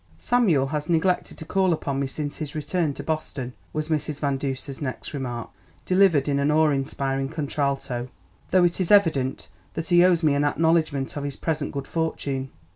"Samuel has neglected to call upon me since his return to Boston," was Mrs. Van Duser's next remark, delivered in an awe inspiring contralto; "though it is evident that he owes me an acknowledgment of his present good fortune."